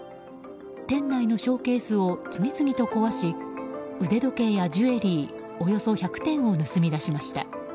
店内のショーケースを次々と壊し腕時計やジュエリーおよそ１００点を盗み出しました。